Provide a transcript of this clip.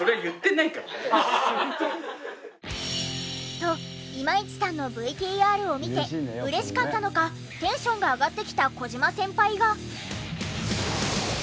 と今市さんのＶＴＲを見て嬉しかったのかテンションが上がってきた小島先輩が。